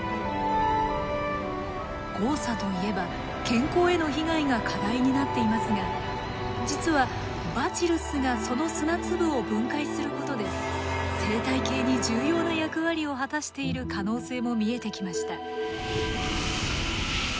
黄砂といえば健康への被害が課題になっていますが実はバチルスがその砂粒を分解することで生態系に重要な役割を果たしている可能性も見えてきました。